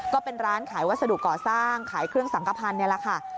ก็เป็นร้านขายวัสดุก่อสร้างขายเครื่องสังกภัณฑ์นี่แหละค่ะ